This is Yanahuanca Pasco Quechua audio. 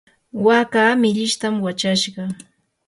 waaka millishtam wachashqa.